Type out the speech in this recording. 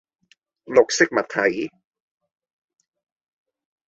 綠色物體